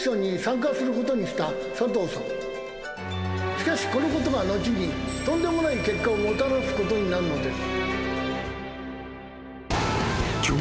しかしこのことが後にとんでもない結果をもたらすことになるのです。